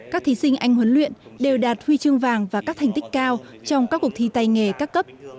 các thí sinh anh huấn luyện đều đạt huy chương vàng và các thành tích cao trong các cuộc thi tay nghề các cấp